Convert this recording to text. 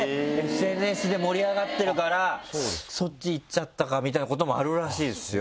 ＳＮＳで盛り上がってるからそっちいっちゃったかみたいなこともあるらしいですよ。